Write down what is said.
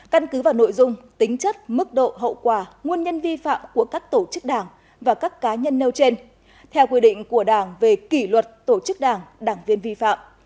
căn cứ vào nội dung tính chất mức độ hậu quả nguồn nhân vi phạm của các tổ chức đảng và các cá nhân nêu trên theo quy định của đảng về kỷ luật tổ chức đảng đảng viên vi phạm